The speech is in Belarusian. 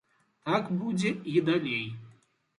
Так будзе і далей.